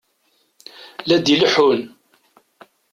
La d-ileḥḥun.